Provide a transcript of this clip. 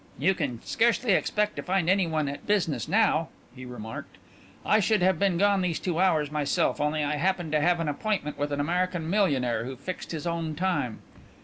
"You can scarcely expect to find anyone at business now," he remarked. "I should have been gone these two hours myself only I happened to have an appointment with an American millionaire who fixed his own time."